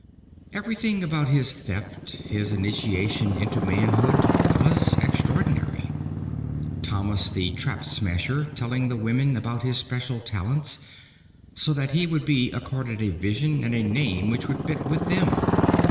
Everything about his Theft, his initiation into manhood, was extraordinary. Thomas the Trap Smasher telling the women about his special talents, so that he would be accorded a vision and a name which would fit with them.